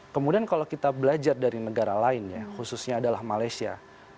kemudian kalau kita belajar dari negara lain ya khususnya adalah malaysia